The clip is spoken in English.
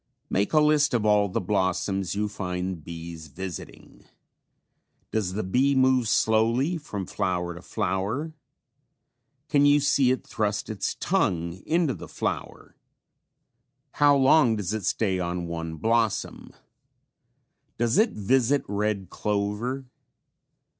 Make a list of all the blossoms you find bees visiting. Does the bee move slowly from flower to flower? Can you see it thrust its tongue into the flower? How long does it stay on one blossom? Does it visit red clover?